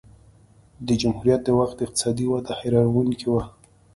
د جمهوریت د وخت اقتصادي وده حیرانوونکې وه